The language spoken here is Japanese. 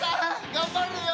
頑張るよ！